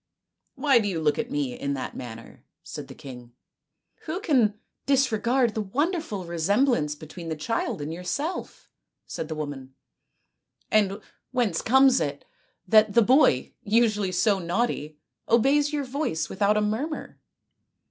" Why do you look at me in that manner ?" said the king. " Who can disregard the o o wonderful resemblance between the child and your self ?" said the woman, " and whence comes it that the boy, usually so naughty, obeys your voice without a murmur